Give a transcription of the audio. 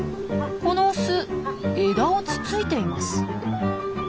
このオス枝をつついています。